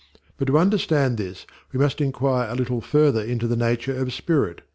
But to understand this we must inquire a little further into the nature of spirit.